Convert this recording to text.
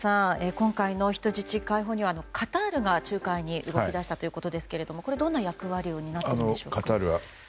今回の人質解放にはカタールが仲介に動き出したということですがこれ、どんな役割を担っているんでしょうか。